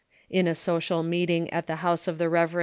In a social meeting at the house of the lie v.